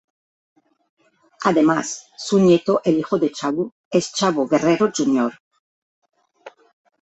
Además, su nieto, el hijo de Chavo, es Chavo Guerrero, Jr..